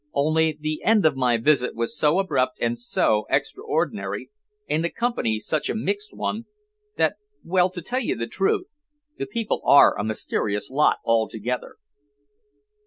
"Only the end of my visit was so abrupt and so extraordinary, and the company such a mixed one, that well, to tell you the truth, the people are a mysterious lot altogether."